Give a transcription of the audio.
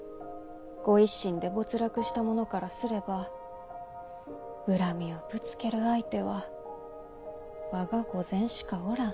御一新で没落したものからすれば恨みをぶつける相手は我が御前しかおらん。